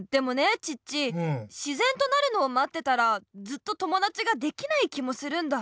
チッチ自然となるのをまってたらずっと友だちができない気もするんだ。